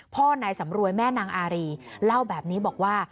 พ่อนายสำรวยแม่นางอารีเล่าแบบนี้บอกว่า